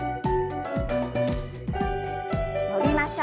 伸びましょう。